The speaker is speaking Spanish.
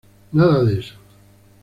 Nada de eso".